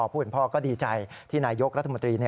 ผู้เป็นพ่อก็ดีใจที่นายกรัฐมนตรี